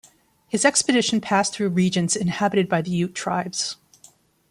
His expedition passed through regions inhabited by the Ute tribes.